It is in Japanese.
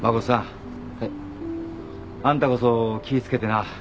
あんたこそ気い付けてな。